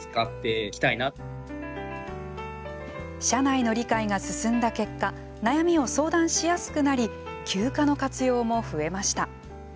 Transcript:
社内の理解が進んだ結果悩みを相談しやすくなり休暇の活用も増えました。